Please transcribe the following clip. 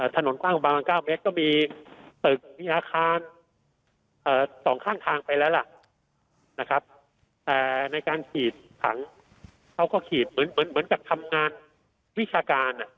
ถนนกว้างบาง๙เมตรก็มีตึกมีอาคาร๒ข้างทางไปแล้วล่ะนะครับแต่ในการฉีดถังเขาก็ขีดเหมือนกับทำงานวิชาการ